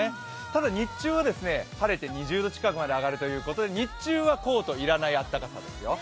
ただ日中は晴れて２０度近くまで上がるということで日中はコート要らない寒さですよ。